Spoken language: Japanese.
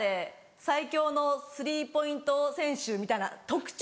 最強のスリーポイント選手」みたいな特徴。